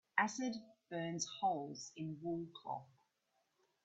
Acid burns holes in wool cloth.